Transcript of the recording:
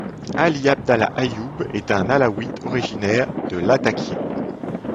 Ali Abdallah Ayyoub est un alaouite originaire de Lattaquié.